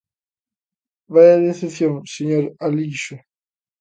Vaia decepción, señor Alixo.